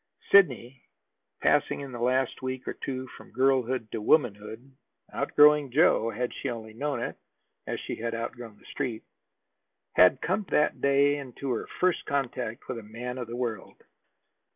Sidney, passing in the last week or two from girlhood to womanhood, outgrowing Joe, had she only known it, as she had outgrown the Street, had come that day into her first contact with a man of the world.